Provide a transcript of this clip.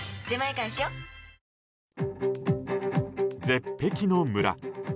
絶壁の村。